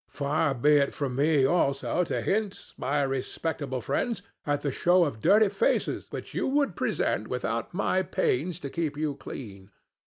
Far be it from me, also, to hint, my respectable friends, at the show of dirty faces which you would present without my pains to keep you clean.